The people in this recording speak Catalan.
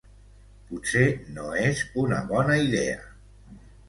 Potser no és una bona idea.